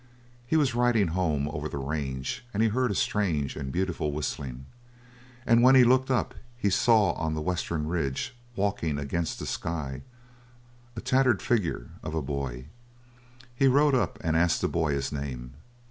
He was riding home over the range and he heard a strange and beautiful whistling, and when he looked up he saw on the western ridge, walking against the sky, a tattered figure of a boy. He rode up and asked the boy his name.